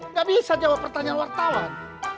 nggak bisa jawab pertanyaan wartawan